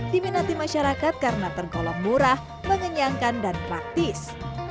diminati masyarakat karena tergolong murah mengenyangkan dan praktis